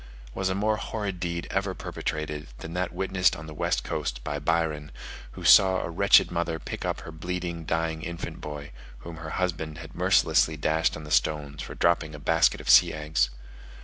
Was a more horrid deed ever perpetrated, than that witnessed on the west coast by Byron, who saw a wretched mother pick up her bleeding dying infant boy, whom her husband had mercilessly dashed on the stones for dropping a basket of sea eggs!